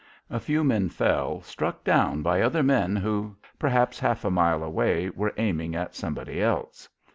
A few men fell, struck down by other men who, perhaps half a mile away, were aiming at somebody else.